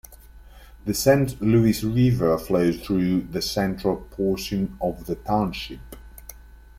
The Saint Louis River flows through the central portion of the township.